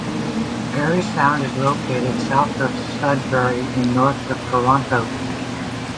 Parry Sound is located south of Sudbury and north of Toronto.